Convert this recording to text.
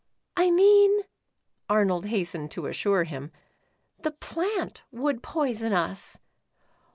"I mean," Arnold hastened to assure him, "the plant would poison us.